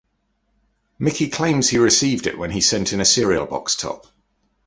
Micky claims he received it when he sent in a cereal box top.